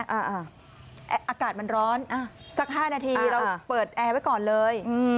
อากาศมันร้อนสัก๕นาทีเราเปิดแอร์ไว้ก่อนเลย